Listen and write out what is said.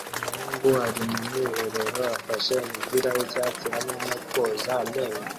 Umuhungu ari mu bwiherero afashe umupira w'icyatsi hamwe no koza amenyo